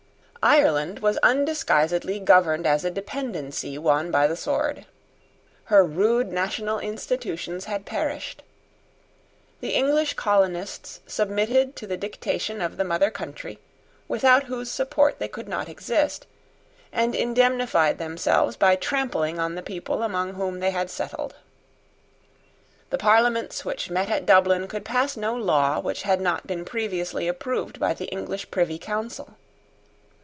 Ireland was undisguisedly governed as a dependency won by the sword. Her rude national institutions had perished. The English colonists submitted to the dictation of the mother country, without whose support they could not exist, and indemnified themselves by trampling on the people among whom they had settled. The parliaments which met at Dublin could pass no law which had not been previously approved by the English Privy Council.